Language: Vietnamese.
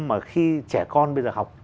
mà khi trẻ con bây giờ học